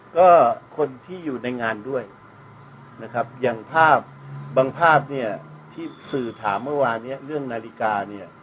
ก็คนที่อยู่ในงานด้วยนะครับอย่างภาพบางภาพเนี่ยที่สื่อถามเมื่อวานเนี่ยเรื่องนาฬิกาเนี่ย